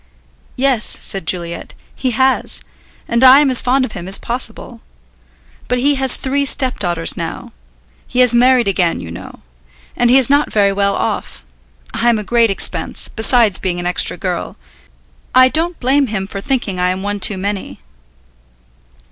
"Yes," said Juliet, "he has, and I am as fond of him as possible. But he has three stepdaughters now; he has married again, you know. And he is not very well off. I am a great expense, besides being an extra girl. I don't blame him for thinking I am one too many."